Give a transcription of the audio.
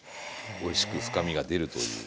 おいしく深みが出るという。